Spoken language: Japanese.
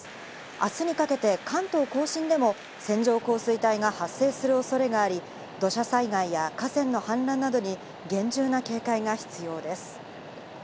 明日にかけて関東甲信でも線状降水帯が発生する恐れがあり、土砂災害や河川の氾濫などに厳重な警戒が必要です。